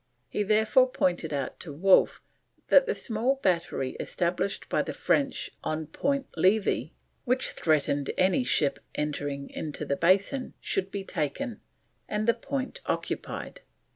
He therefore pointed out to Wolfe that the small battery established by the French on Point Levi, which threatened any ship entering into the Basin, should be taken, and the Point occupied.